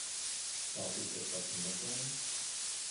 Darf es etwas mehr sein?